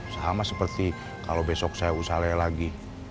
sama seperti kalau besok saya usahanya lagi